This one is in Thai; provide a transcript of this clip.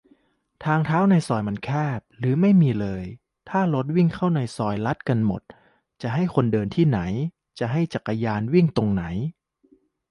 ทางเท้าในซอยมักแคบ หรือไม่มีเลย ถ้ารถวิ่งเข้าซอยลัดกันหมด จะให้คนเดินที่ไหน ? จะให้จักรยานวิ่งตรงไหน ?